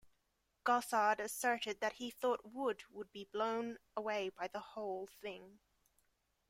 Gossard asserted that he thought Wood would be blown away by the whole thing.